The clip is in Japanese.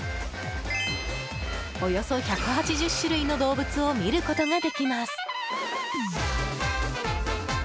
およそ１８０種類の動物を見ることができます。